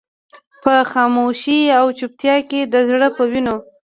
په خاموشۍ او چوپتيا کې د زړه په وينو.